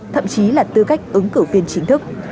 thậm chí là tư cách ứng cử viên chính thức